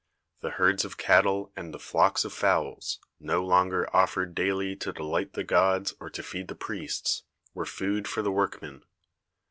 The herds of cattle and the flocks of fowls, no longer offered daily to delight the gods or to feed the priests, were food for the workmen.